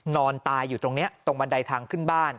นอนตายอยู่ตรงนี้ตรงบันไดทางขึ้นบ้าน